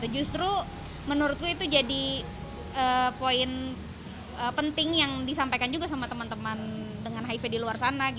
justru menurutku itu jadi poin penting yang disampaikan juga sama teman teman dengan hiv di luar sana